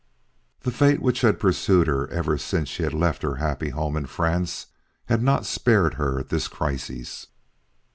The fate which had pursued her ever since she had left her happy home in France had not spared her at this crisis.